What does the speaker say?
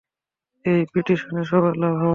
এই পিটিশনে সবার লাভ হবে।